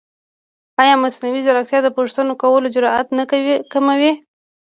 ایا مصنوعي ځیرکتیا د پوښتنې کولو جرئت نه کموي؟